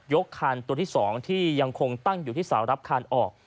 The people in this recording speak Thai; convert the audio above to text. คานตัวที่๒ที่ยังคงตั้งอยู่ที่เสารับคานออก